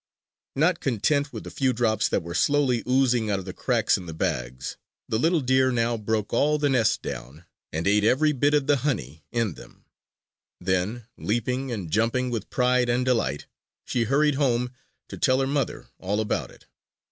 Not content with the few drops that were slowly oozing out of the cracks in the bags, the little deer now broke all the nests down and ate every bit of the honey in them; then, leaping and jumping with pride and delight, she hurried home to tell her mother all about it.